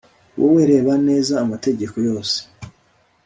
wowe reba neza amategeko yose